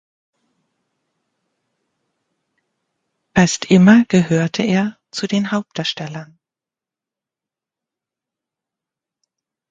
Fast immer gehörte er zu den Hauptdarstellern.